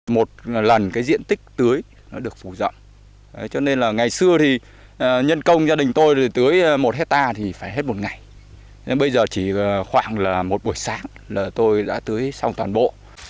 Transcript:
một lần cái diện tích tưới nó được phủ rộng cho nên là ngày xưa thì nhân công gia đình tôi tưới một hectare thì phải hết một ngày nhưng bây giờ chỉ khoảng là một buổi sáng là tôi đã tưới xong toàn bộ